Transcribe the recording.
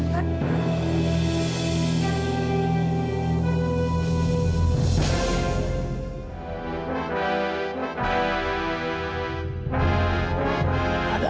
ada apa ya sebenarnya